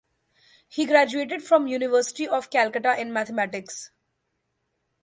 He graduated from University of Calcutta in mathematics.